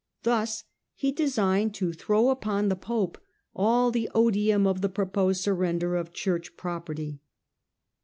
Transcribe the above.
Thus he designed to throw upon the pope all the odium of the proposed surrender of church property.